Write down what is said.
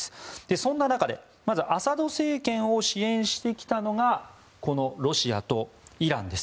そんな中でアサド政権を支援してきたのがロシアとイランです。